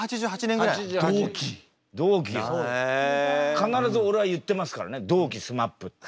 必ず俺は言ってますからね「同期ＳＭＡＰ」って。